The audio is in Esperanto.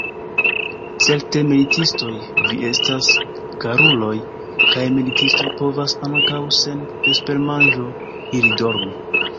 Certe, militistoj vi estas, karuloj, kaj militistoj povas ankaŭ sen vespermanĝo iri dormi!